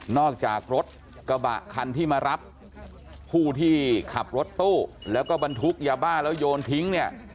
จากรถกระบะคันที่มารับผู้ที่ขับรถตู้แล้วก็บรรทุกยาบ้าแล้วโยนทิ้งเนี่ย